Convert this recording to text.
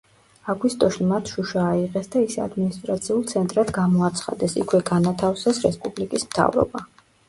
აგვისტოში მათ შუშა აიღეს და ის ადმინისტრაციულ ცენტრად გამოაცხადეს, იქვე განათავსეს რესპუბლიკის მთავრობა.